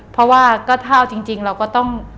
เพราะว่าก็ถ้าเอาจริงเราก็ต้อง